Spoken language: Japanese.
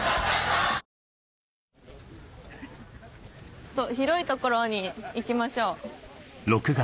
ちょっと広い所に行きましょう。